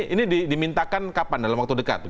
ini dimintakan kapan dalam waktu dekat